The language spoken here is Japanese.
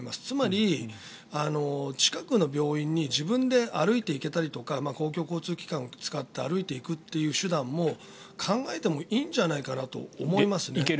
つまり、近くの病院に自分で歩いていけたりとか公共交通機関を使ったり歩いていくっていう手段も考えてもいいんじゃないかなと思いますね。